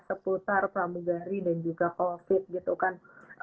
seputar pramugari dan juga covid gitu kan